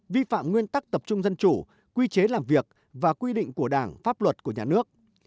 vi phạm nguyên tắc tập trung dân chủ quy chế làm việc và quy định của đảng pháp luật của nhà nước